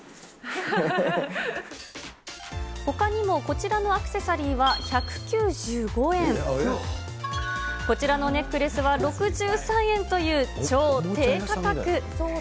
ほかにもこちらのアクセサリーは１９５円、こちらのネックレスは６３円という超低価格。